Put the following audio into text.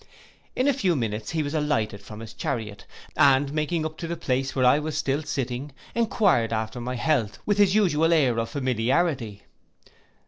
In a few minutes he was alighted from his chariot, and making up to the place where I was still sitting, enquired after my health with his usual air of familiarity.